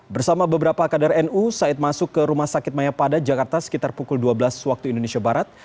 bersama beberapa kader nu said masuk ke rumah sakit mayapada jakarta sekitar pukul dua belas waktu indonesia barat